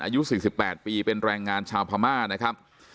อายุ๔๘ปีเป็นแรงงานชาวพม่านะครับ